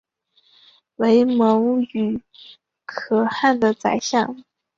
为牟羽可汗的宰相。